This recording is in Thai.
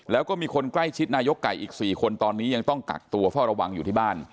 แล้วก็มีคนใกล้ชิดนายกไก่อีก๔คนตอนนี้ยังต้องกักตัวเฝ้าระวังอยู่ที่บ้าน